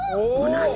同じ！